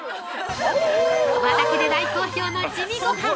◆和田家で大好評の地味ごはん。